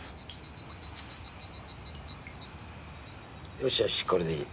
よしよしこれでいい。